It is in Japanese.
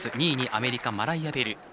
２位にアメリカ、マライア・ベル。